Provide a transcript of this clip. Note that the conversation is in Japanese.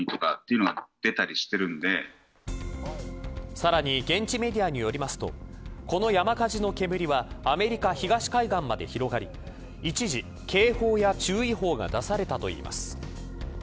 さらに現地メディアによりますとこの山火事の煙はアメリカ東海岸まで広がり一時、警報や注意報が出されたといいます。